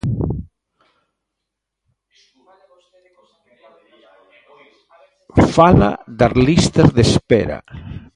Fala das listas de espera.